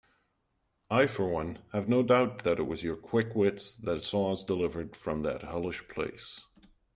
I for one have no doubt that it was your quick wits that saw us delivered from that hellish place.